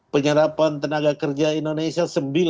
penyerapan tenaga kerja indonesia sembilan puluh tujuh